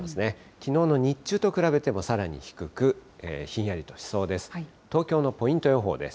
きのうの日中と比べてもさらに低く、ひんやりとしそうです。